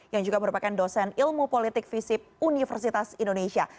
yang juga merupakan dosen ilmu politik visip universitas indonesia